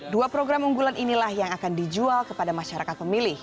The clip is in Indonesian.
dua program unggulan inilah yang akan dijual kepada masyarakat pemilih